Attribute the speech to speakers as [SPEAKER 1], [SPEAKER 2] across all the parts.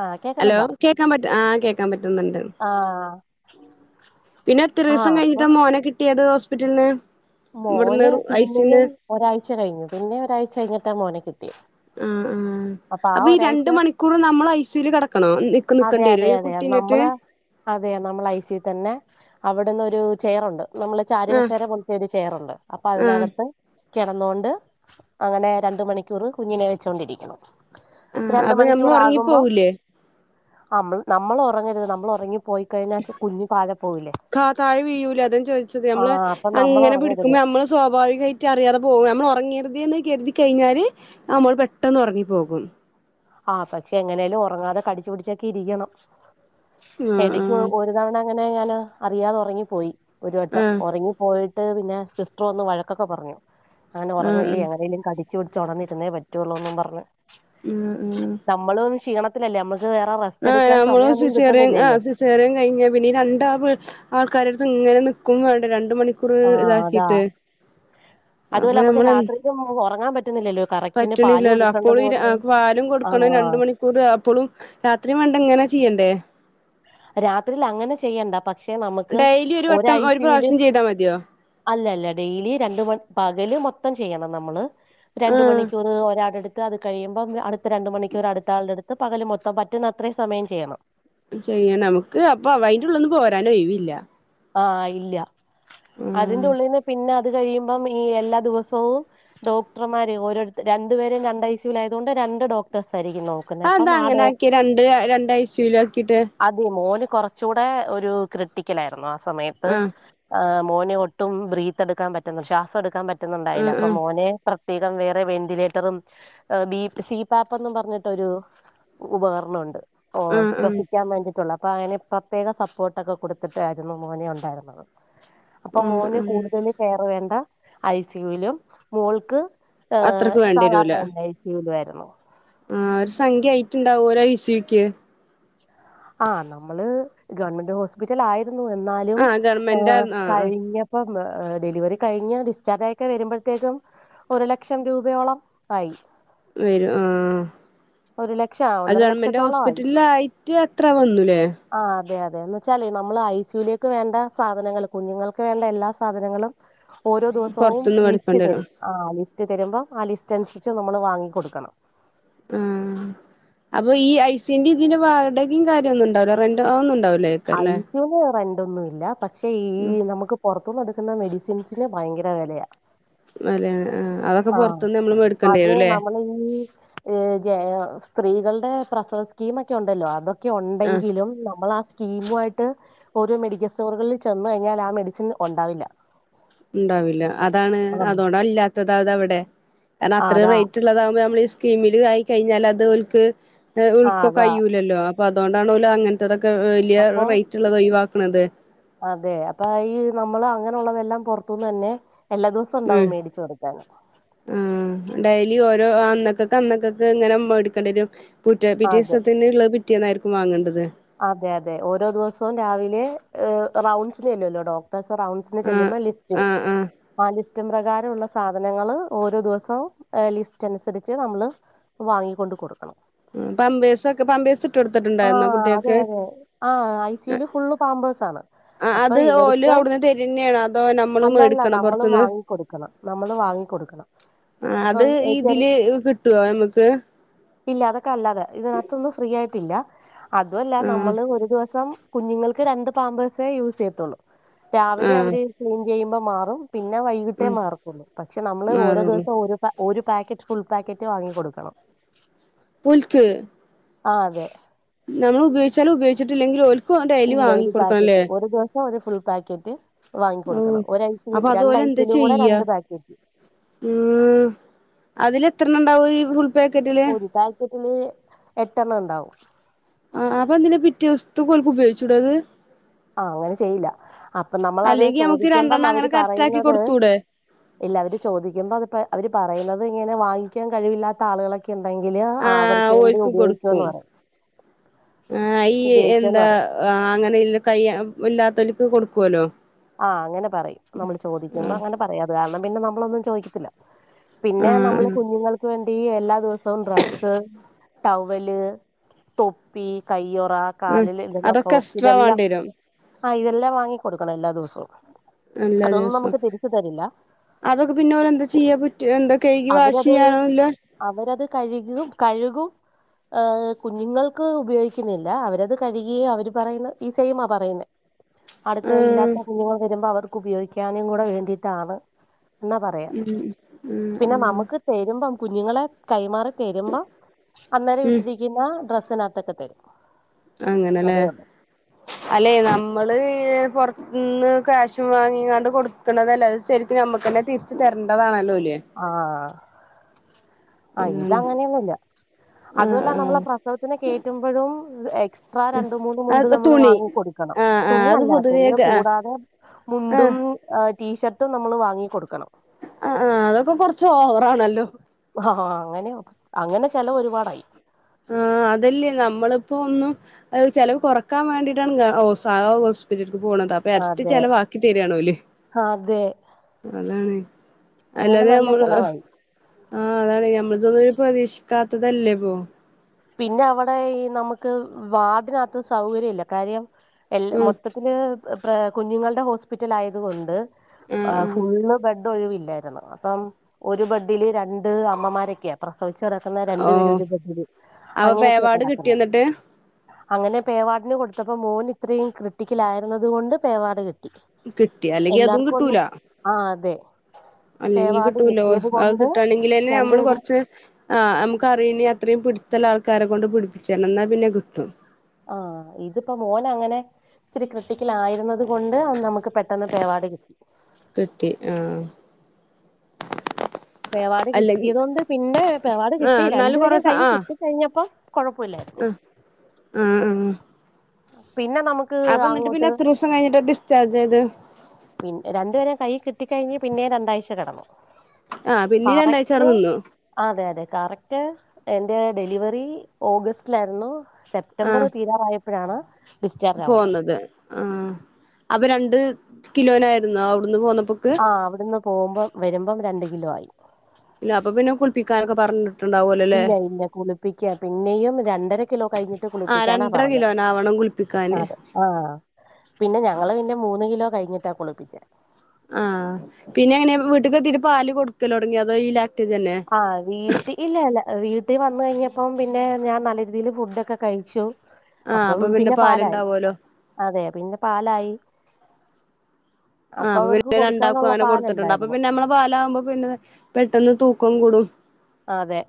[SPEAKER 1] ആഹ്
[SPEAKER 2] hello
[SPEAKER 1] കേക്കുന്നുണ്ടോ
[SPEAKER 2] കേൾക്കാൻ പറ്റ ആ കേൾക്കാൻ പറ്റും
[SPEAKER 1] ആഹ് ഉമ്
[SPEAKER 2] പിന്നെ എത്ര ദിവസം കഴിഞ്ഞിട്ട മോനെ കി ഏതു ഹോസ്പിറ്റല്
[SPEAKER 1] മോന് പിന്നെയും ഒരാഴ്ച കഴിഞ്ഞു പിന്നെ ഒരാഴ്ച കഴിഞ്ഞ് ട്ട മോനിക്കി
[SPEAKER 2] ആ ആ അപ്പൊ ഈ
[SPEAKER 1] ഒരാഴ്ച
[SPEAKER 2] രണ്ട് മണിക്കൂർ നമ്മൾ ഐ സി യു കിടക്കണോ [unintelligible]
[SPEAKER 1] അതെ
[SPEAKER 2] നിക്കേണ്ടി വരോ
[SPEAKER 1] അതെ
[SPEAKER 2] ഏ
[SPEAKER 1] അതെ
[SPEAKER 2] കുട്ടീനെ [unintelligible]
[SPEAKER 1] നമ്മള് അവിടന്നൊരു ചെയറുണ്ട് നമ്മള് ചാലു
[SPEAKER 2] ആ
[SPEAKER 1] കസേര കൊണ്ട് ചേയ്റുണ്ട് അപ്പൊ
[SPEAKER 2] ആ
[SPEAKER 1] അതിനകത്ത് കെടന്നോണ്ട് അങ്ങനെ രണ്ട് മണിക്കൂർ കുഞ്ഞിനെ വെച്ചോണ്ടിരിക്കണം
[SPEAKER 2] ആഹ് അപ്പൊ നമ്മ ഒറങ്ങി പോകൂല്ലേ?
[SPEAKER 1] അമ്മള് നമ്മലൊറങ്ങരുത് നമ്മലൊറങ്ങി
[SPEAKER 2] [unintelligible] താഴെ വീ്യൂല അതാ ചോദിച്ചത് ഞമ്മള്
[SPEAKER 1] ആഹ് അപ്പൊ നമ്മൾ
[SPEAKER 2] അങ്ങനെ
[SPEAKER 1] ഉറങ്ങരുത്
[SPEAKER 2] പിടിക്കുമ്പോ നമ്മള് സ്വാഭാവികായിട്ട് അറിയാതെ പോകും നമ്മള് ഒറങ്ങിയരുതെ കരുതി കഴിഞ്ഞാല് നമ്മള് പെട്ടെന്ന് ഉറങ്ങിപ്പോകും.
[SPEAKER 1] ആഹ് പക്ഷെ എങ്ങനെലും ഒറങ്ങാതെ കട്ച്ചു പിട്ച്ചൊക്കെ ഇരിക്കണം
[SPEAKER 2] ആ ആ
[SPEAKER 1] എനിക്ക് ഒരു തവണ അങ്ങനെ ഞൻ അറിയാതെ ഒറങ്ങിപ്പോയി ഒരു
[SPEAKER 2] ആ
[SPEAKER 1] വട്ടം ഉറങ്ങിപ്പോയി. ട് പിന്നെ സിസ്റ്റർ വന്ന് വഴക്കൊക്കെ പറഞ്ഞു ആങ്ങന
[SPEAKER 2] ആ
[SPEAKER 1] ഉറങ്ങല്ലേ
[SPEAKER 2] ആ
[SPEAKER 1] എങ്ങനേങ്കലും കട [unintelligible] പറ്റുള്ളൂ ന്നും പറഞ്ഞ്.
[SPEAKER 2] ആ
[SPEAKER 1] നമ്മളൊന്നും ചെയ്യണം ഇത്രല്ലേ നമ്മൾ
[SPEAKER 2] ആ നമ്മള് സിസേറിയൻ ആ സിസേറിയൻ കഴിഞ്ഞാ പിന്നെ ഈ രണ്ടാ ആൾക്കാരെടു ങ്ങനെ നിക്കും വേണ്ട രണ്ട് ണ്ട് മണിക്കൂർ
[SPEAKER 1] ആഹ് അതാ
[SPEAKER 2] ഇതാക്കിട്ട്
[SPEAKER 1] അതുപോലെ
[SPEAKER 2] അപ്പൊ
[SPEAKER 1] നമുക്ക്
[SPEAKER 2] നമ്മള്
[SPEAKER 1] രാത്രിയിലും ഒറങ്ങാൻ പറ്റുന്നില്ലല്ലോ കറക്റ്റിന് പാല്
[SPEAKER 2] പറ്റണില്ലല്ലോ
[SPEAKER 1] കൊടുക്കേണ്ടത് കൊണ്ട്
[SPEAKER 2] അപ്പോഴും പാലും കൊടുക്കണം രണ്ട്
[SPEAKER 1] ആഹ്
[SPEAKER 2] മണിക്കൂർ അപ്പോളും രാത്രിയും വേണ്ട ഇങ്ങനെ ചെയ്യണ്ടേ
[SPEAKER 1] രാത്രിൽ അങ്ങനെ ചെയ്യണ്ട പക്
[SPEAKER 2] ഡെയിലി ഒരു വട്ടം ഒരു പ്രാവശ്യം ചെയ്താൽ മതിയോ
[SPEAKER 1] അല്ല അല്ല ഡെയിലി രണ്ട് മ പകല് മൊത്തം ചെയ്യണം നമ്മള് രണ്ട്
[SPEAKER 2] ആഹ്
[SPEAKER 1] മണിക്കൂർ ഒരാളെടുത്ത് അത് കഴിയുമ്പം അടുത്ത രണ്ട് മണിക്കൂർ അടുത്താളുടെ അടുത്ത് പകല് മൊത്തം പറ്റുന്ന അത്രയും സമയം ചെയ്യണം
[SPEAKER 2] ചെയ്യൻ നമുക്ക് അപ്പൊ അയ്‌ന്റെ ഉള്ള്ന്ന് പോരാനൊഴിവില്ല
[SPEAKER 1] ആ ഇല്ല അതിന്റെ
[SPEAKER 2] ആഹ്
[SPEAKER 1] ള്ളിൽന്ന് പിന്നെ അ ത് കഴിയുമ്പം ഈ എല്ലാ ദിവസവും ഡോക്ടർമാര് ഓരോരുത്ത രണ്ടുപേരും രണ്ട് ഐസിയുലായതുകൊണ്ട് രണ്ട് ഡോക്ടെഴ്സ്
[SPEAKER 2] ആ അതാ അങ്ങനെ ആക്കിയേ രണ്ട് രണ്ടഴ്സിയുലാക്കിട്ട്
[SPEAKER 1] കുറച്ചൂടെ ഒരു ക്രിട്ടിക്കലായിരുന്നു സമയത്ത്
[SPEAKER 2] ആഹ്
[SPEAKER 1] ആ മോന് ഒട്ടും ബ്രീത്തെടുക്കാൻ പറ്റുന്നു ശ്വാസം എടുക്കാൻ പറ്റ റ്റുന്നുണ്ടായില്ല
[SPEAKER 2] ആഹ്
[SPEAKER 1] അപ്പ
[SPEAKER 2] ആഹ്
[SPEAKER 1] മോന് പ്ര പ്രത്യേകം വേറെ വെന്റിലേറ്ററും ബീ പ് സീ പാപ്പൊന്നും പറഞ്ഞിട്ടൊരു ഉപകരണണ്ട് ഓ
[SPEAKER 2] ആഹ് ആഹ്
[SPEAKER 1] ശ്വസിക്കാൻ വേണ്ടിയിട്ടുള്ള പ്പൊ അങ്ങനെ പ്രത്യേക സപ്പോർട്ടൊക്കെ കൊടുത്തിട്ടായിരു ന്ന് മോനേ ഉണ്ടായിരുന്നത് അപ്പൊ
[SPEAKER 2] ആഹ്
[SPEAKER 1] മോന്
[SPEAKER 2] ആഹ്
[SPEAKER 1] കൂടുതൽ കെയർ വേണ്ടാ ഐ സി യു വിലും മോൾക്ക് ഏ
[SPEAKER 2] അത്രക്ക് വേണ്ടി
[SPEAKER 1] സാധാരണ
[SPEAKER 2] വരൂല
[SPEAKER 1] [unintelligible] [unintelligible]
[SPEAKER 2] ആ ഒരു സംഖ്യായി യ്ട്ടുണ്ടാവൊല്ലോ ഐ സി യു വിക്ക്
[SPEAKER 1] ആഹ് നമ്മള് ഗവൺമെന്റ് ഹോസ്പിറ്റൽ ആയി രുന്നു എന്നാലും
[SPEAKER 2] ആ ഗവൺമെന്റ് ആ ആ
[SPEAKER 1] കഴിഞ്ഞപ്പം ഏ ഡെലിവറി കഴിഞ്ഞ് ഡിസ്ചാർജ് ആയിക്കെ വരുമ്പോഴത്തേക്കും ഒരു ലക്ഷം രൂപയോളം ആയി
[SPEAKER 2] വരും ആ
[SPEAKER 1] ഒരു ലക്ഷം ആ
[SPEAKER 2] അത്
[SPEAKER 1] ഒന്നര
[SPEAKER 2] ഗവൺമെന്റ്
[SPEAKER 1] ലക്ഷത്തോളം ആയി
[SPEAKER 2] ഹോസ്പിറ്റലായിട്ട് അത്ര വന്നുല്ലേ
[SPEAKER 1] അതെന്ന് വെച്ചാലേ നമ്മള് ഐ സുലേക്ക് വേണ്ട സാധനങ്ങള് കുഞ്ഞുങ്ങൾക്ക് വേണ്ട എല്ലാ സാധനങ്ങളും ഓരോ ദിവസവും
[SPEAKER 2] പുറത്തുന്ന്
[SPEAKER 1] ലിസ്റ്റ്
[SPEAKER 2] മേടിക്കേണ്ടി വരും
[SPEAKER 1] തരും ആ ലിസ്റ്റ് സ്റ്റ് തരുമ്പോ ആ ലിസ്റ്റ് അനുസരിച്ച് നമ്മൾ വാങ്ങി കൊടുക്കണം
[SPEAKER 2] ആ അപ്പൊ ഈ ഐസിയുന്റിം ഇതിന്റെ വാടകിം കാര്യം ഒന്നും ഉണ്ടാവൂല്ല റെന്റ് അഒന്നും ഉണ്ടാവൂല
[SPEAKER 1] ഐസ്യൂന് റെൻ ൻ്റൊന്നു ഇല്ല പ ക്ഷെ ഈ നമുക്ക് പൊറ ത്ത്ന്ന് എടുക്കുന്ന മെഡിസിൻസിന് ഭയങ്കര വെലയ
[SPEAKER 2] വെലയാണ്
[SPEAKER 1] ആഹ് അത് നമ്മൾ ഈ ഏ ജെ സ്ത്രീകളുടെ പ്രസവ സ്കീം ഒക്കെ ഉണ്ടല്ലോ അത് ക്കെ
[SPEAKER 2] ആ
[SPEAKER 1] ഉണ്ടെങ്കിലും നമ്മൾ ആ സ്കീമു ആയിട്ട് ഓരോ മെഡിക്കൽ സ്റ്റോറുകളിൽ ചെന്ന് കഴിഞ്ഞാൽ ആ മെഡിസിൻ ഒണ്ടാവില്ല
[SPEAKER 2] ഉണ്ടാവില്ല അതാണ് അതോണ്ടാ ഇല്ലാത്ത തത് അവിടെ കാരണം
[SPEAKER 1] ആഹ്
[SPEAKER 2] അത്രയും
[SPEAKER 1] അതാ
[SPEAKER 2] റേറ്റ് ഉള്ളതാകുമ്പോ നമ്മളീ സ്കീമിൽ ആയി കഴിഞ്ഞാൽ അത് ഓൽക്ക്
[SPEAKER 1] ആഹ്
[SPEAKER 2] ഉൾക്കൊ
[SPEAKER 1] അതാ
[SPEAKER 2] കയ്യൂലല്ലോ അപ്പ അതൊണ്ടാണോ ല്ല് അങ്ങൻത്തൊത ക്കെ വലിയ
[SPEAKER 1] അപ്പൊ
[SPEAKER 2] റേറ്റ് ഉള്ളത് ഒഴിവാ [unintelligible]
[SPEAKER 1] അതെ അപ്പൊ ഈ നമ്മള് അങ്ങനെുള്ളതെല്ലാം പൊറത്തുന്ന് തന്നെ എല്ലാ ദിവസവും ഉണ്ടാവും
[SPEAKER 2] ഉം
[SPEAKER 1] മേടിച്ചു കൊടുക്കാൻ
[SPEAKER 2] ഉം ടെയ്ലി അന്നക്കക്ക് അന്നക്കക്ക് ങ്ങനെ മേടിക്കണ്ടി വെരും
[SPEAKER 1] അതെ
[SPEAKER 2] [unintelligible] [unintelligible] യിരിക്കും വാങ്ങേണ്ടത്
[SPEAKER 1] അതെ അതെ ഓരോ ദിവസവും രാവിലെ റൗണ്ട്സിന് ചെല്ലൊല്ലോ ഡോക്ട [unintelligible] റൗണ്ട്സിന്
[SPEAKER 2] ആഹ്
[SPEAKER 1] ചെല്ലുമ്പോ ലിസ്റ്റ് ഇടും
[SPEAKER 2] ആഹ് ആഹ്
[SPEAKER 1] [unintelligible] [unintelligible] പ്രകാരമുള്ള സാധനങ്ങൾ ഓരോ ദിവസവും ലിസ്റ്റ് അനുസരിച്ച് നമ്മള് വാങ്ങിക്കൊണ്ട് കൊടുക്കണം
[SPEAKER 2] അപ്പൊ
[SPEAKER 1] ആ അതെ അതെ ആ ഐസൽ ഫുള്ള് പാമ്പേഴ്സ് ആണ്
[SPEAKER 2] ആഹ്
[SPEAKER 1] അപ്പൊ
[SPEAKER 2] അത് ഓല്
[SPEAKER 1] ഇവർക്ക്
[SPEAKER 2] അവിടുന്ന് തരുന്നെയാണോ അതോ നമ്മള്
[SPEAKER 1] അല്ല അല്ല
[SPEAKER 2] മേടിക്കണോ
[SPEAKER 1] നമ്മള്
[SPEAKER 2] പുറത്തുന്ന്
[SPEAKER 1] വാങ്ങിക്കൊടുക്കണം നമ്മള് വാങ്ങിക്കൊടുക്കണം
[SPEAKER 2] ആഹ് അത്
[SPEAKER 1] അപ്പൊഏ ചെറിയ
[SPEAKER 2] ഇതില് കിട്ടുവോ നമുക്ക്
[SPEAKER 1] ഇല്ല അതൊക്കെ അല്ലാതെ ഇതിനകത്തൊന്നും ഫ്രീ ആയിട്ടില്ല അതുമല്ല
[SPEAKER 2] ആഹ്
[SPEAKER 1] നമ്മള് ഒരു ദിവസം കുഞ്ഞുങ്ങൾക്ക് രണ്ട് പാമ്പേഴ്സേ യൂസ് ചെയ്യത്തുള്ളൂ രാവിലെ
[SPEAKER 2] ആഹ്
[SPEAKER 1] അവര് ക്ലീൻ ചെയ്യുമ്പോ മാറും പിന്നെ വൈകിട്ടേ മാറത്തൊള്ളൂ പക്ഷെ നമ്മള് ഓരോ
[SPEAKER 2] മാറുള്ളൂ
[SPEAKER 1] ദിവസം ഓ ഒരു പാക്കറ്റ് ഫുൾ പാക്കറ്റ് വാങ്ങി കൊടുക്കണം
[SPEAKER 2] ഓൽക്ക്
[SPEAKER 1] ആ അതെ
[SPEAKER 2] നമ്മള് ഉപയോഗിച്ചാലും ഉപയോഗിച്ചിട്ടില്ലെങ്കിലും ഓ ക്ക് ഡയ്ലി വാങ്ങി കൊടുക്കണല്ലേ
[SPEAKER 1] ത് ഒരു ഫുൾ പാക്കറ്റ് വാങ്ങി
[SPEAKER 2] ഓ
[SPEAKER 1] കൊടുക്കണം ഒരാഴ്ചയിൽ
[SPEAKER 2] അപ്പൊ അതോലെ ന്താ
[SPEAKER 1] രണ്ടാഴ്ചയിലും കൂടെ
[SPEAKER 2] ചെയ്യ
[SPEAKER 1] രണ്ട് പാക്കറ്റ്
[SPEAKER 2] ഉം അതില് ത്രൻണ്ടാവും ഈ പാക്കറ്റില്
[SPEAKER 1] ഒരു പാക്കറ്റില് എട്ടെണ്ണം ണ്ടാവും
[SPEAKER 2] ആ് അപ്പൊ അന്തിന്റെ പിറ്റേസ്ത്തെക്ക് ഉപയോഗിച്ചുടത്
[SPEAKER 1] ആ അങ്ങനെ ചെയ്യില്ല അപ്പൊ നമ്മളത്
[SPEAKER 2] അല്ലെങ്കി നമുക്ക്
[SPEAKER 1] ചോദിക്കുമ്പം
[SPEAKER 2] രണ്ടെണ്ണം
[SPEAKER 1] അവര്
[SPEAKER 2] അങ്ങനെ കറക്റ്റ് ആക്കി
[SPEAKER 1] പറയുന്നത്
[SPEAKER 2] കൊടുത്തൂടെ
[SPEAKER 1] ഇല്ല അവര് ചോദിക്കുമ്പ അത് അവര് പറയുന്നത് അ ഇങ്ങനെ വാങ്ങിക്കാൻ കഴിവില്ലാത്ത ആളുകളൊക്കെ ഉണ്ടെങ്കില്
[SPEAKER 2] ആ
[SPEAKER 1] അവർക്ക് വേണ്ടി
[SPEAKER 2] ഓര്ക്ക്
[SPEAKER 1] ഉപയോഗിക്കുമെന്ന്
[SPEAKER 2] കൊടുക്കും
[SPEAKER 1] പറയും
[SPEAKER 2] ആ ഈ
[SPEAKER 1] ഉപയോഗിക്കുമെന്ന്
[SPEAKER 2] എന്താ
[SPEAKER 1] പറയും
[SPEAKER 2] അങ്ങനെ കയ്യ ഇല്ലാത്തോൽക്ക് കൊടുക്കോ ല്ലൊ
[SPEAKER 1] ആ അങ്ങനെ പറയും നമ്മൾ ചോദിക്കുമ്പോ അങ്ങനെ പറയും അത് കാരണം പിന്നെ നമ്മളൊന്നും ചോദിക്കത്തില്ല പിന്നെ നമ്മള്
[SPEAKER 2] ആഹ്
[SPEAKER 1] കുഞ്ഞുങ്ങൾക്ക് വേണ്ടി ടീ എല്ലാ ദിവസോം ഡ്രസ്സ്‌ ടവ്വല് തൊപ്പി കൈ ഈ ഒറ ആ
[SPEAKER 2] ആഹ്
[SPEAKER 1] കാലിൽ എന്തെന്ന
[SPEAKER 2] അതൊക്കെ
[SPEAKER 1] സോക്ക്
[SPEAKER 2] എക്സ്ട്രാ
[SPEAKER 1] ഇതെല്ലാം.
[SPEAKER 2] വേണ്ടി വരും
[SPEAKER 1] ആ ഇതെല്ലാം വാങ്ങി കൊടുക്കണം എല്ലാ ദിവ
[SPEAKER 2] എല്ലാ ദിവസം
[SPEAKER 1] തരില്ല
[SPEAKER 2] അതൊക്കെ പിന്നെ ഓരെന്താ ചെയ്യാറ്റ എന്താ കഴകി വാഷ്
[SPEAKER 1] അവരത്
[SPEAKER 2] ചെയ്യാനോല്ല.
[SPEAKER 1] അവരത് കഴുകും കഴുകും കുഞ്ഞുങ്ങൾക്ക് ഉപയോഗിക്കുന്നില്ല അവരത് കഴുകിയേ അവര് പറയുന്ന ഈ സെയിം പറയുന്നെ. അടുത്ത ഇല്ലാ
[SPEAKER 2] ആഹ്
[SPEAKER 1] കുഞ്ഞുങ്ങൾ വരുമ്പോ അവർ. ഉപയോഗിക്കാനും കൂടെ വേണ്ടിയിട്ടാണ്. എന്നാ പറയാ
[SPEAKER 2] ഉം ഉം
[SPEAKER 1] പിന്നെ
[SPEAKER 2] ആഹ്
[SPEAKER 1] നമുക്ക് തരുമ്പം. കുഞ്ഞുങ്ങളെ കൈമാറി. തരുമ്പോ അന്നേര
[SPEAKER 2] ഉം
[SPEAKER 1] വിട്ടിരിക്കുന്ന ഡ്ര സ്നകത്തൊക്കെ തരും.
[SPEAKER 2] അങ്ങനെല്ലേ
[SPEAKER 1] അതേ ഉള്ളൂ
[SPEAKER 2] അല്ലെ നമ്മള് പുറ ഇന്ന് ക്യാഷ് വാങ്ങിങ്ങാണ്ട് കൊടുക്കുന്നതല്ലോ അത് ശരിക്കും നമ്മുക്ക്ന്നെ തിരിച്ചു തരണ്ടതാണല്ലോ.
[SPEAKER 1] ആഹ്. ആ ഇത്
[SPEAKER 2] അതാണ്
[SPEAKER 1] അങ്ങനെയൊന്നുമില്ല
[SPEAKER 2] ആഹ്
[SPEAKER 1] അതുമല്ല നമ്മള
[SPEAKER 2] ആഹ്
[SPEAKER 1] പ്രസവത്തിനെ കയറ്റുമ്പോഴും എക്സ്ട്രാ രണ്ട മൂന്ന് മുണ്ട്
[SPEAKER 2] അത്
[SPEAKER 1] നമ്മൾ
[SPEAKER 2] തുണി
[SPEAKER 1] വാങ്ങിൊടുക്കണം
[SPEAKER 2] ആഹ് ആഹ് അത്
[SPEAKER 1] തുണിയല്ല
[SPEAKER 2] പൊതുവേ
[SPEAKER 1] തുണിയെ
[SPEAKER 2] ഗ ആഹ്
[SPEAKER 1] കൂടാതെ മുണ്ടും ആ. ടീഷർട്ടും നമ്മൾ വാങ്ങി കൊടുക്കണം.
[SPEAKER 2] ആഹ് ആഹ് അതൊക്കെ കൊറച്ച് ഓവറാണല്ലോ.
[SPEAKER 1] ആഹ് അങ്ങനെയ അങ്ങനെ ചെലവ് ഒരുപാടായി.
[SPEAKER 2] ആ അതല്ലിയൊ നമ്മളിപ്പോ ഒന്നും ചെലവ് കുറക്കാൻ വേണ്ടിട്ടാണ് ഗവൺ ഓ സാദാ ഹോസ്പിറ്റലി. പോണത് അപ്പൊ എരട്ടി
[SPEAKER 1] അതെ
[SPEAKER 2] ചെലവാക്കി തരുവാണ് ഓല്
[SPEAKER 1] അതെ
[SPEAKER 2] അതാണ്.
[SPEAKER 1] അങ്ങനെ
[SPEAKER 2] അല്ലാതെ
[SPEAKER 1] നല്ല
[SPEAKER 2] നമ്മള്.
[SPEAKER 1] ചെലവായി
[SPEAKER 2] ആഹ് അതാണ് ഞമ്മള് ഇതൊന്നും ഒരു പ്രതീക്ഷിക്കാത്തതല്ലേ ഇപ്പോ.
[SPEAKER 1] പിന്നെ അവിടെ ഈ നമുക്ക് വാർഡിനകത്ത് സൗകര്യം ഇല്ല കാര്യം. എല്ലാ
[SPEAKER 2] ഉം
[SPEAKER 1] മൊത്തത്തില്. പ്ര കുഞ്ഞുങ്ങളുടെ ഹോസ്പിറ്റലായതുകൊണ്ട്. ആ
[SPEAKER 2] ആഹ് ആഹ്
[SPEAKER 1] ഫുൾ ബെഡ് ഒഴിവില്ലായിരുന്നു അപ്പം ഒരു ബഡില് രണ്ട് അമ്മമാരൊക്കെയ പ്രസ് പ്രസവിച്ചു കിടക്കുന്ന രണ്ട് പേരും ഒരു ബഡില്.
[SPEAKER 2] അപോ പേവാഡ് കിട്ടിയൊ എന്നിട്ട്.
[SPEAKER 1] അങ്ങനെ പേ വാഡിനു കൊടുത്തപ്പോ മോന് ഇത്രയും ക്രിട്ടിക്കലാരുന്നത് കൊണ്ട് പേ വാട് കിട്ട്
[SPEAKER 2] കിട്ടി അല്ലെങ്കി അതും കിട്ടൂല.
[SPEAKER 1] ആ അതെ
[SPEAKER 2] അല്ലെങ്കി
[SPEAKER 1] പേവാർഡ്
[SPEAKER 2] കിട്ടൂലോ
[SPEAKER 1] കിട്ടിയത്
[SPEAKER 2] അത്
[SPEAKER 1] കൊണ്ട്
[SPEAKER 2] കിട്ടുകയാണെങ്കിലല്ലേ നമ്മള്
[SPEAKER 1] രണ്ടുപേരെയും
[SPEAKER 2] കുറച്ച് ആ നമുക്ക് അറിയില്ല അത്രയും പിടിച് ചെല ആൾക്കാരെ കൊണ്ട് പിടിപ്പിച്ചനേ എന്നാൽ പിന്നെ കിട്ടും
[SPEAKER 1] ആഹ് ഇതിപ്പോ മോന് അങ്ങനെ ഇച്ചിരി ക്രിറ്റിക്കൽ ആയിരുന്നത് കൊണ്ട് ആ നമുക്ക് പെട്ടെന്ന് പേവാഡ് കിട്ടി
[SPEAKER 2] കിട്ടി ആഹ്
[SPEAKER 1] പേവാഡ്
[SPEAKER 2] അല്ലെങ്കി
[SPEAKER 1] കിട്ടിയത് കൊണ്ട് പിന്നെ പേവാഡ് കിട്ടി
[SPEAKER 2] ആഹ് എന്നാലും കൊറെ
[SPEAKER 1] രണ്ടുപേരേം
[SPEAKER 2] സ
[SPEAKER 1] കൈയ്
[SPEAKER 2] ആഹ്
[SPEAKER 1] കിട്ടിക്കഴിഞ്ഞപ്പോ കുഴപ്പമില്ലായിരുന്നു
[SPEAKER 2] ആഹ് ആഹ് ആഹ്
[SPEAKER 1] പിന്നെ നമുക്ക്
[SPEAKER 2] അപ്പം ന്നിട്ട് പിന്നെ
[SPEAKER 1] അങ്ങോട്ട്
[SPEAKER 2] എത്ര ദിവസം കഴിഞ്ഞിട്ട് ആ ഡിസ്ചാർജ് ആയത്
[SPEAKER 1] പിൻ രണ്ട് പേരെയും കൈ കിട്ടി കഴിഞ്ഞ് പിന്നേം രണ്ടാഴ്ച കിടന്നു
[SPEAKER 2] ആഹ് പിന്നേം
[SPEAKER 1] പാറ
[SPEAKER 2] രണ്ടാഴ്ച അവിടെ നിന്നോ
[SPEAKER 1] അതെ അതെ കറക്റ്റ് എന്റെ ഡെലിവറി ഓഗസ്റ്റിലായിരുന്നു സെപ്റ്റംബർ തീരാറായപോ അപ്പഴാണ്
[SPEAKER 2] പന്നത് ആ അപ്പൊ രണ്ട് കിലോനായിരുന്നോ അവിടുന്ന് പോന്നപോ
[SPEAKER 1] ആഹ് അവിടുന്ന് പോകുമ്പോ വരുമ്പം രണ്ട് കിലോ ആയി
[SPEAKER 2] ഇല്ല അപ്പൊ പിന്നെ കുളപ്പിക്കാനൊക്കെ പറഞ്ഞിണ്ട്
[SPEAKER 1] ഇല്ല ഇല്ല കുളിപ്പിക്ക പിന്നെയും രണ്ടര കിലോ കഴിഞ്ഞിട്ട്
[SPEAKER 2] ആഹ്
[SPEAKER 1] കുളിപ്പിക്കാനാ
[SPEAKER 2] രണ്ടര
[SPEAKER 1] പറഞ്ഞത്
[SPEAKER 2] കിലോനാവണം കുളിപ്പിക്കാന്
[SPEAKER 1] അതെ ആ പിന്നെ ഞങ്ങള് പിന്നെ മൂന്ന് കിലോ കഴിഞ്ഞിട്ടാ കുളിപ്പിച്ച
[SPEAKER 2] ആഹ് പിന്നെങ്ങനെ വീട്ടക്ക്ത്തിരി പാല് കൊടുക്കലോ തുടങ്ങി അതോല
[SPEAKER 1] ആഹ് വീട്ടി ഇല്ല ഇല്ല വീട്ട ട്ടി വന്ന കഴിഞ്ഞപ്പം പിന്നെ ഞാൻ നല്ല രീതിയിൽ ഫുഡൊക്കെ കഴിച്ചു
[SPEAKER 2] ആഹ്
[SPEAKER 1] അപ്പം
[SPEAKER 2] അപ്പൊ
[SPEAKER 1] പിന്നെ പാലായി
[SPEAKER 2] പാലുണ്ടാവോലോ
[SPEAKER 1] അതെ പിന്നെ പാലായി
[SPEAKER 2] ആഹ് അപ്പൊ
[SPEAKER 1] അവർക്ക്
[SPEAKER 2] പിന്നെ രണ്ടാക്കും
[SPEAKER 1] കൊടുക്കാനുള്ള
[SPEAKER 2] അങ്ങനെ കൊടുത്തിട്ടുണ്ട് അപ്പൊ
[SPEAKER 1] പാലുണ്ടായിരുന്നു
[SPEAKER 2] പിന്നെ നമ്മളെ പാലാകുമ്പോ പിന്നെ പെട്ടെന്ന് തൂക്കം കൂടും
[SPEAKER 1] അതെ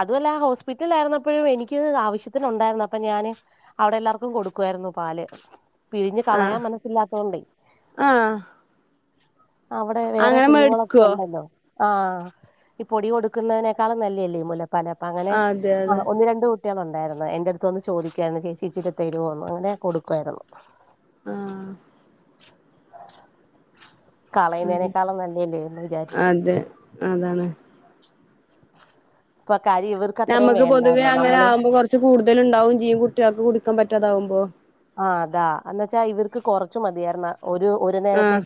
[SPEAKER 1] അതുമല്ലെ ഹോസ്പിറ്റലിലായിരുന്നപ്പോഴും എനിക്ക്ത് ആവശ്യത്തിന് ഒണ്ടായിരുന്നു അപ്പൊ ഞാാന് അവിടെ എല്ലാർക്കും കൊടുക്കുായിരുന്നു പാല്- പിഴിഞ്ഞു
[SPEAKER 2] ആ
[SPEAKER 1] കളയാൻ മനസ്സില്ലാത്തോണ്ട്
[SPEAKER 2] ആ
[SPEAKER 1] അവിടെ വേറെ
[SPEAKER 2] അങ്ങനെ
[SPEAKER 1] കുഞ്ഞുങ്ങളൊക്കെ
[SPEAKER 2] മേടിക്കുവോ
[SPEAKER 1] ഒണ്ടല്ലോ ആഹ ഇ പൊടി കൊടുക്ക ക്കുന്നതിനക്കാളും നല്ലേ മുല- പാല്അപ്പൊ അങ്ങനെ
[SPEAKER 2] അതെ
[SPEAKER 1] ആ
[SPEAKER 2] അതെ
[SPEAKER 1] ഒന്ന് രണ്ട് കുട്ടികളുണ്ടായിരുന്നു എന്റെറടുത്ത് ഒന്ന് ചോദിക്കായിരുന്നു ചേിച്ചി ഇച്ചിരി തരുമോന്ന് അങ്ങനെ കൊടുക്കുവായിരുന്നു-
[SPEAKER 2] ആഹ്
[SPEAKER 1] കളയുന്നേനേക്കാളം നല്ലല്ലേന്ന് വിചാരിച്ചു
[SPEAKER 2] അതെ അതാണ്
[SPEAKER 1] കാര്യം ഇവർക്ക് അത്രയും
[SPEAKER 2] നമുക്ക് പൊതുവേ
[SPEAKER 1] വേണ്ടായിരുന്നു
[SPEAKER 2] അങ്ങനെ
[SPEAKER 1] നമ്മള്
[SPEAKER 2] ആകുമ്പോ കുറച്ച് കൂടുതലുണ്ടാവും ചെയ്യും കുട്ടികൾക്ക് കുടി കൊടുക്കാൻപറ്റാതാവുമ്പോ
[SPEAKER 1] ആ അതാ എന്ന് വെച്ചാ ഇവർക്ക് കൊറച്ച് മതിയായിരുന്ന
[SPEAKER 2] ആഹ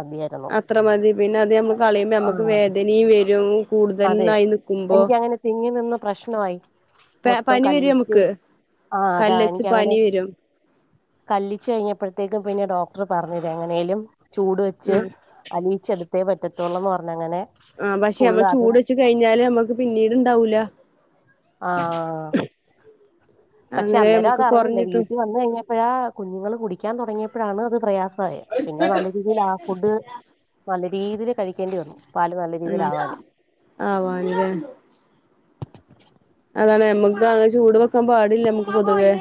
[SPEAKER 1] മതിയായിരുന്നു
[SPEAKER 2] അത്ര മതി പിന്നെ അത് നമ്മൾ കളയുമ്പോ
[SPEAKER 1] ആ
[SPEAKER 2] നമ്മക്ക് വേദനയും വരും
[SPEAKER 1] അതെ
[SPEAKER 2] കൂടുതൽന്നായി നിക്കുമ്പോ
[SPEAKER 1] എനിക്കങ്ങനെ തിങ്ങി നിന്ന് പ്രശ്നമായി മൊത്തം
[SPEAKER 2] പനി വരും
[SPEAKER 1] കല്ലിച്ച്
[SPEAKER 2] നമുക്ക്
[SPEAKER 1] ആ അതാ
[SPEAKER 2] കല്ലച്ച്
[SPEAKER 1] എനിക്കങ്ങനെ
[SPEAKER 2] പനി വരും
[SPEAKER 1] കല്ലിച്ച് കഴിഞ്ഞപ്പോഴത്തേക്കും പിന്നെ ഡോക്ടർ പറഞ്ഞിത് എങ്ങനേലും ചൂട് വെച്ച്
[SPEAKER 2] ആ
[SPEAKER 1] അലിയിച്ചെടു ത്തെ പറ്റത്തുള്ള എന്ന് പറഞ്ഞ് അങ്ങനെ
[SPEAKER 2] ആഹ പക്ഷെ നമ്മൾ ചൂട് വെച്ച് കഴിഞ്ഞാല് നമ്മക് പിന്നീട് ഇണ്ടാവൂല
[SPEAKER 1] ആഹ പക്ഷെ
[SPEAKER 2] അങ്ങനെ
[SPEAKER 1] അന്നേരം
[SPEAKER 2] നമുക്ക്
[SPEAKER 1] അതറിഞ്ഞില്ല
[SPEAKER 2] കൊറഞ്ഞിട്ടും
[SPEAKER 1] വീട്ടിൽ വന്ന് കഴിഞ്ഞപ്പഴാ കുഞ്ഞുങ്ങളും കുടിക്കാൻ തൊടങ്ങിയപ്പോഴാണ് അത് പ്രയാസായി പിന്നെ നല്ല രീതിയില് ആ ഫുഡ് നല്ല മീതില് കഴിക്കേണ്ടി വന്നു പാല് നല്ല
[SPEAKER 2] ഇം
[SPEAKER 1] രീതിയിലാവാന്
[SPEAKER 2] ആവാനെലെ അതാണ് നമ്മക്ക് അങ്ങനെ ചൂട് വെക്കാൻ പാടില്ല നമ്മുക്ക് പൊതുവെ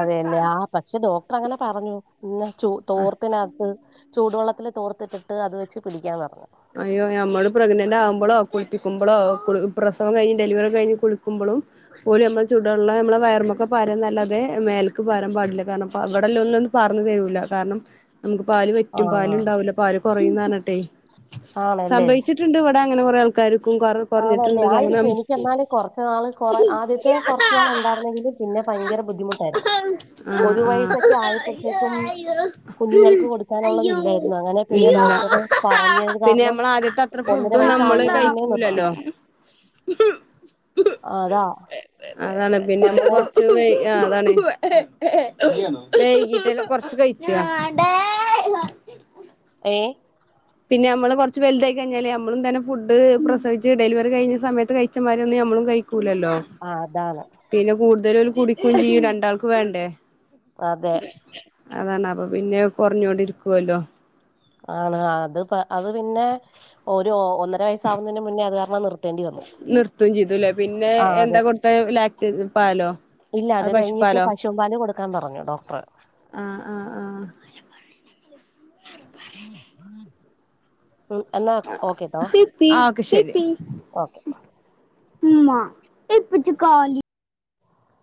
[SPEAKER 1] അതെയല്ലേ ആ പക്ഷെ ഡോ- അങ്ങനെ പറഞ്ഞു പിന്നെ ചോ
[SPEAKER 2] ആഹ്
[SPEAKER 1] തോർത്തിനാത്ത് ചൂടുവെള്ളത്തില് തോർത്തിട്ടിട്ട് അത് വെച്ച് പിടിക്കാൻ പറഞ്ഞു
[SPEAKER 2] അയ്യോ ഞമ്മള് പ്രഗ്നന്റ് ആകുമ്പോളോ കുളിപ്പിക്കുമ്പോളോ കുളി പ്രസവം കഴിഞ്ഞ് ഡെലിവറി ഒക്കെ കഴിഞ്ഞ് കുളിക്കുമ്പളും പോലും നമ്മൾ ചൂടുള്ള നമ്മളെ വയർമൊക്കെ പാരാനല്ലാതെ മേല്ക്ക് പാരൻ പാടില്ല. കാരണം അ അവിടെല്ലാം ഒന്നും ഒന്ന് പറഞ്ഞു തരൂല കാരണം നമുക്ക് പാല് വറ്റും
[SPEAKER 1] ആ
[SPEAKER 2] പാലിണ്ടാവില്ല പാല് കൊറ പെയ്യുന്നറഞ്ഞട്ടെ.
[SPEAKER 1] ആണല്ലേ
[SPEAKER 2] സംഭവിച്ചിട്ടിണ്ട് ഇവിടെ അങ്ങനെ കുറെ ആൾക്കാരും
[SPEAKER 1] ആണല്ലേ. ആയിരിക്കും. എനിക്ക് എന്നാല് കൊറച്ച് നാള് കൊറ ആദ്യത്തെ കൊറച്ച് നാൾ ഉണ്ടായിരുന്നെങ്കിലും പിന്നെ ഭയങ്കര ബുദ്ധിമുട്ടായിരുന്നു. ഒരു
[SPEAKER 2] ആഹ്
[SPEAKER 1] വയസ്സൊക്കെ ആയപ്പോഴത്തേക്കും
[SPEAKER 2] ആഹ്
[SPEAKER 1] കുഞ്ഞുങ്ങൾക്ക് കൊടുക്കാനുള്ളത്
[SPEAKER 2] അയ്യോ
[SPEAKER 1] ഇല്ലായിരുന്നു. അങ്ങനെ പിന്നെ
[SPEAKER 2] ഇല്ല
[SPEAKER 1] ഡോക്ടറ് പ
[SPEAKER 2] പിന്നെ നമ്മള് ആദ്യത്തെ അത്ര ഫുഡും നമ്മള്
[SPEAKER 1] വയസ്സാവുന്നതിന് മുന്നേ
[SPEAKER 2] കഴിക്കൂല
[SPEAKER 1] നിർത്തി അതാ
[SPEAKER 2] അതാണ് പിന്നെ നമ്മ
[SPEAKER 1] അങ്ങനെ
[SPEAKER 2] കൊറച്ച് കഴിഞ്ഞ അതാണ് വൈകിട്ട് കൊറച്ച് കഴിച്ച
[SPEAKER 1] ഏ
[SPEAKER 2] പിന്നെ നമ്മള് കുറച്ച് വലുതായി കഴിഞ്ഞാല് നമ്മളും തന്നെ ഫുഡ് പ്രസവിച്ച് ഡെലിവറി കഴിഞ്ഞ സമയത്ത് കഴിച്ചമാരൊന്നും ഞമ്മളും കഴി ക്കൂലല്ലോ
[SPEAKER 1] ആ അതാണ്
[SPEAKER 2] പിന്നെ കൂടുതലും ഒരു കുടിക്കും ചെയ്യും രണ്ടാൾക്ക് വേണ്ടേ
[SPEAKER 1] അതെ
[SPEAKER 2] അതാണ്. അപ്പൊ പിന്നെ കുറഞ്ഞോണ്ടിരിക്കുവല്ലോ
[SPEAKER 1] ആണ് അത് അത് പിന്നെ ഒരു ഒ ന്നര വയസാവുന്നതിന് മുന്നേ അത് കാരണം നിർത്തേണ്ടി വന്നു.
[SPEAKER 2] നിർത്തും
[SPEAKER 1] ആ അതെ
[SPEAKER 2] തിന്നു
[SPEAKER 1] ഇല്ല അത് കഴിഞ്ഞിട്ട് പശും പാല് കൊടുക്കാൻ പറഞ്ഞു ഡോക്ടർ
[SPEAKER 2] ആഹ് ആഹ് ആഹ്
[SPEAKER 1] എന്നാ ഓക്കെട്ടോ
[SPEAKER 2] ഓക്കെ ശരി
[SPEAKER 1] ഓക്കെ കേട്ടോ.